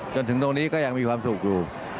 จนถึงตรงนี้ก็ยังมีความสุขอยู่